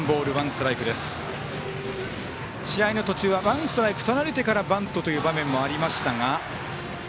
試合の途中はワンストライクとられてからバントという場面もありましたが。